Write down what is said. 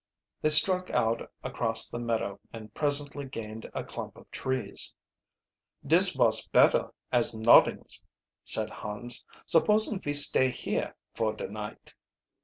They struck out across the meadow, and presently gained a clump of trees. "Dis vos besser as noddings," said Hans. "Supposing ve stay here for der night?"